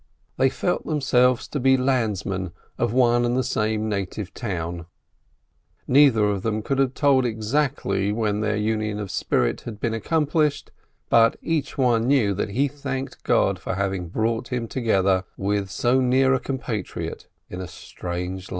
They felt themselves to be "countrymen," of one and the same native town. Neither of them could have told exactly when their union of spirit had been accomplished, but each one knew that he thanked God for having brought him together with so near a compatriot in a strange land.